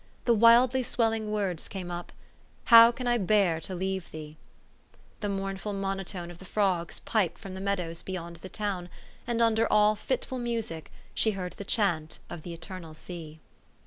The wildly swelling words came up, " How can I bear to leave thee ?" The mournful monotone of the frogs piped from the meadows beyond the town, and under all fitful music she heard the chant of the eternal sea.